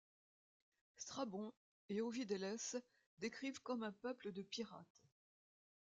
Strabon et Ovideles décrivent comme un peuple de pirates.